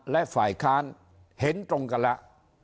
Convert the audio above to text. และฝ่ายค้านเห็นตรงกันแล้ว